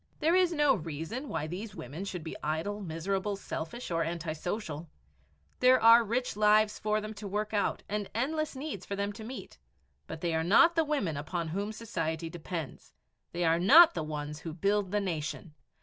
There is no reason why these women should be idle, miserable, selfish, or antisocial. There are rich lives for them to work out and endless needs for them to meet. But they are not the women upon whom society depends; they are not the ones who build the nation.